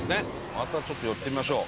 またちょっと寄ってみましょう。